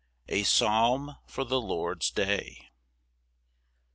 A psalm for the Lord's day.